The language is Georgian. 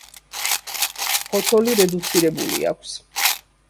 ფოთოლი რედუცირებული აქვს.